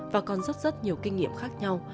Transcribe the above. và còn rất rất nhiều kinh nghiệm khác nhau